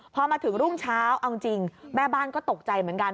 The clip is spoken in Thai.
พอมาถึงรุ่งเช้าเอาจริงแม่บ้านก็ตกใจเหมือนกัน